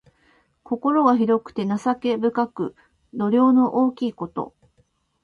心が広くて情け深く、度量の大きいこと。